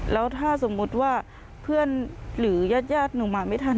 แล้วถ้าสมมุติว่าเพื่อนหรือญาติหนูมาไม่ทัน